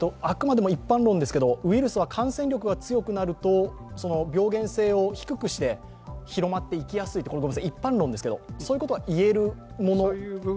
あくまでも一般論ですけれども、ウイルスは感染力が強くなると病原性を低くして広まっていきやすい、一般論ですけど、そういうことは言えるものですか。